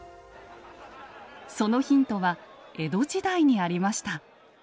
そのヒントは江戸時代にありました。